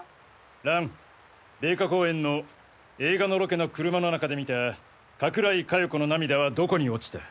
蘭米花公園の映画のロケの車の中で見た加倉井加代子の涙はどこに落ちた？